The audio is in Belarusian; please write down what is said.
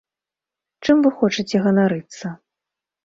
Чым вы хочаце ганарыцца?